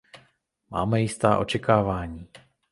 Máme jistá očekávání.